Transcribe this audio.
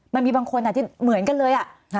มันมีบางคนที่เหมือนกันเลย